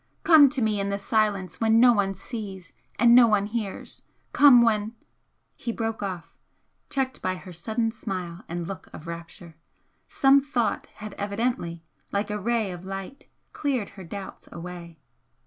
Come to me in the silence when no one sees and no one hears come when " He broke off, checked by her sudden smile and look of rapture. Some thought had evidently, like a ray of light, cleared her doubts away.